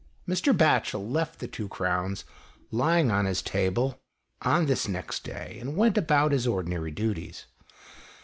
Mr. Batchel left the two crowns lying on his table on this next day, and went about his ordinary duties.